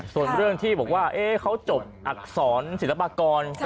ส่วนเรื่องที่บอกว่าเขาจบอักษรศิลปากร